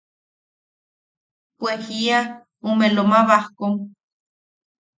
Pue jia ume Loma Bajkom.